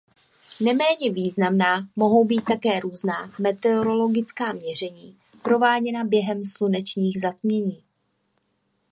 Neméně významná mohou být také různá meteorologická měření prováděná během slunečních zatmění.